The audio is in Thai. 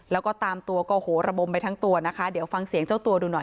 แล้วก็ตามตัวก็โหระบมไปทั้งตัวนะคะเดี๋ยวฟังเสียงเจ้าตัวดูหน่อย